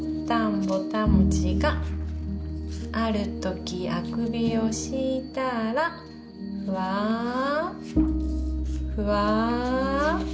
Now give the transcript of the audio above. ぼたもちがあるときあくびをしーたーらふあふあ